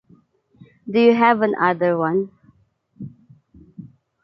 Do you have an other one?